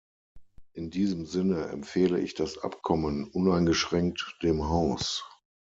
In diesem Sinne empfehle ich das Abkommen uneingeschränkt dem Haus.